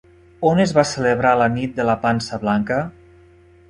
On es va celebrar la Nit de la Pansa blanca?